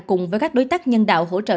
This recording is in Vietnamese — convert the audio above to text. cùng với các đối tác nhân đạo hỗ trợ